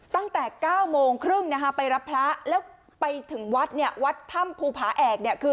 ตั้งแต่๙โมงครึ่งนะฮะไปรับพระแล้วไปถึงวัดเนี่ยวัดถ้ำภูผาแอกเนี่ยคือ